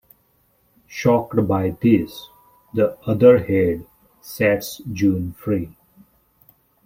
Shocked by this, the other head sets June free.